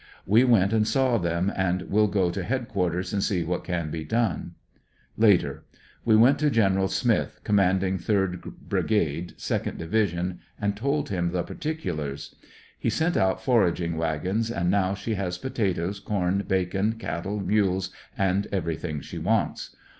We went and saw them, and will go to head quarters to see what can be done. Later. — We went to Gen. Smith, commanding 3d Brigade, 2d Divisiom, and told him the particulars. He sent out foraging wagons, and now she has potatoes, corn, bacon, cattle, mules, and everything she wants.